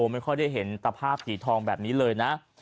ไม่ค่อยได้เห็นตะภาพสีทองแบบนี้เลยนะ